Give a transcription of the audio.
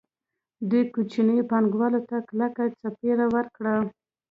دوی کوچنیو پانګوالو ته کلکه څپېړه ورکړه